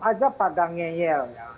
aja pada ngeyelnya